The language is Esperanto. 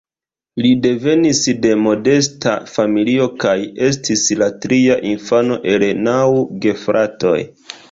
Li devenis de modesta familio kaj estis la tria infano el naŭ gefratoj.